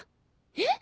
えっ！？